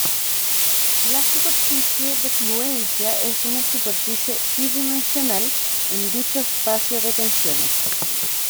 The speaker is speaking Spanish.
La superficie de fluencia es una superficie bidimensional en dicho espacio de tensiones.